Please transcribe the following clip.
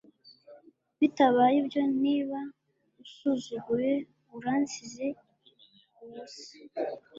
Bitabaye ibyo niba usuzuguye uransize ubusa